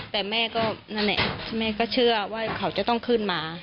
แต่แม่ก็เชื่อว่าเขาจะต้องขึ้นมา